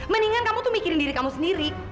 mendingan kamu tuh mikirin diri kamu sendiri